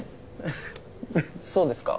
そうですか？